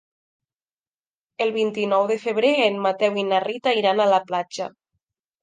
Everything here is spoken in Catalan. El vint-i-nou de febrer en Mateu i na Rita iran a la platja.